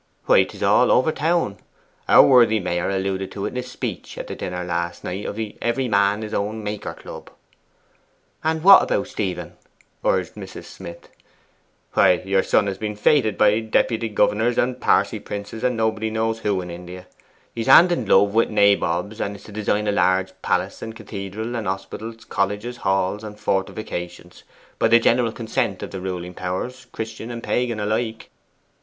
'Why, 'tis all over town. Our worthy Mayor alluded to it in a speech at the dinner last night of the Every Man his own Maker Club.' 'And what about Stephen?' urged Mrs. Smith. 'Why, your son has been feted by deputy governors and Parsee princes and nobody knows who in India; is hand in glove with nabobs, and is to design a large palace, and cathedral, and hospitals, colleges, halls, and fortifications, by the general consent of the ruling powers, Christian and Pagan alike.